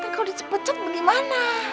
tapi kalau dicek pecek bagaimana